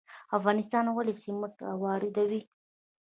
افغانستان ولې سمنټ واردوي؟